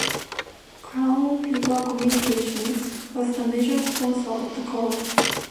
Crown Fiber Communications was the major sponsor of the car.